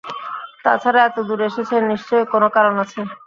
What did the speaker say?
তা ছাড়া এত দূর এসেছেন, নিশ্চয়ই কোনো কারণ আছে।